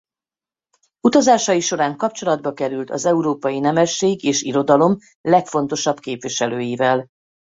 Utazásai során kapcsolatba került az európai nemesség és irodalom legfontosabb képviselőivel.